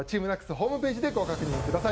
ホームページでご確認ください。